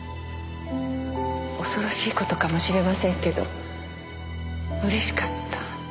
恐ろしい事かもしれませんけどうれしかった。